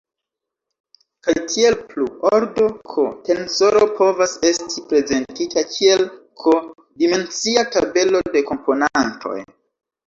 Kaj tiel plu: ordo-"k" tensoro povas esti prezentita kiel "k"-dimensia tabelo de komponantoj.